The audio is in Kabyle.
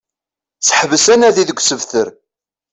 Seḥbes anadi deg usebter